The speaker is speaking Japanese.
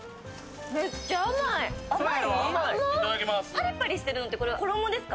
パリパリしてるのは衣ですか？